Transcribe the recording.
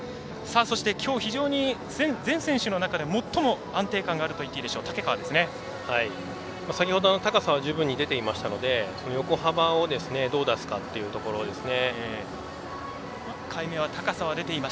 そして、きょう、非常に全選手の中で最も安定感があるといっていいでしょう先ほどの高さは十分に出ていましたので横幅をどう出すかっていうところですね。